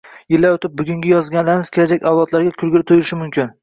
Yillar o'tib, bugungi yozganlarimiz kelajak avlodlarga kulgili tuyulishi mumkin.